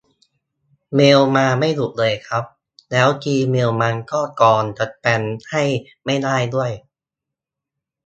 เมลมาไม่หยุดเลยครับ แล้วจีเมลมันก็กรองสแปมให้ไม่ได้ด้วย